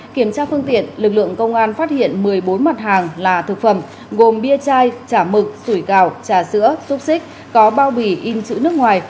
kiểm tra phương tiện lực lượng công an phát hiện một mươi bốn mặt hàng là thực phẩm gồm bia chai chả mực tủi gào trà sữa xúc xích có bao bì in chữ nước ngoài